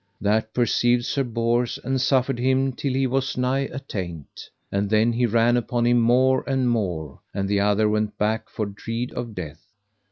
That perceived Sir Bors, and suffered him till he was nigh attaint. And then he ran upon him more and more, and the other went back for dread of death.